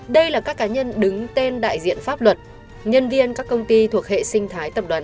đây là các cá nhân đứng tên đại diện pháp luật nhân viên các công ty thuộc hệ sinh thái tập đoàn